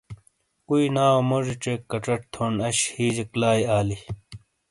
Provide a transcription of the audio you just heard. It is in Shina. کُوئی ناؤ موجی چیک کچٹ تھون اش ہِیجیک لائی آلی۔